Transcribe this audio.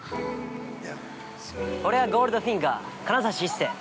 俺はゴールドフィンガー金指一世。